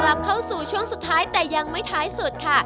กลับเข้าสู่ช่วงสุดท้ายแต่ยังไม่ท้ายสุดค่ะ